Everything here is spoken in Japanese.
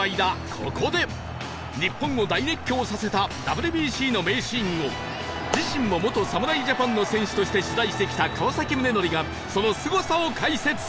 ここで日本を大熱狂させた ＷＢＣ の名シーンを自身も元侍ジャパンの選手として取材してきた川宗則がそのすごさを解説